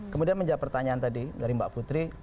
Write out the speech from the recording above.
kemudian menjawab pertanyaan tadi dari mbak putri